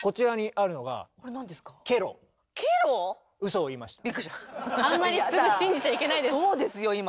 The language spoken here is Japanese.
そうですよ今。